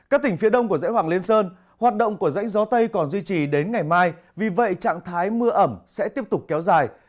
các tỉnh phía đông của dãy hoàng liên sơn hoạt động của rãnh gió tây còn duy trì đến ngày mai vì vậy trạng thái mưa ẩm sẽ tiếp tục kéo dài